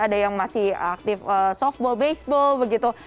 ada yang masih aktif softball baseball begitu